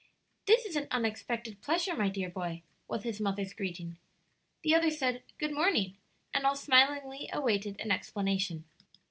"This is an unexpected pleasure, my dear boy," was his mother's greeting. The others said "Good morning," and all smilingly awaited an explanation.